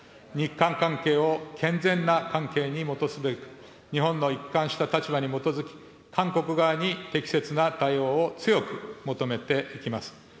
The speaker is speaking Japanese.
日韓関係を健全な関係に戻すべく、日本の一貫した立場に基づき、韓国側に適切な対応を強く求めていきます。